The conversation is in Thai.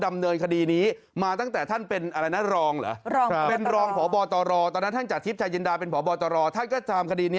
อ่าว่าท่านเป็นอะไรนะรองเหรอรองเป็นรองศพตรตอนนั้นทำงจาก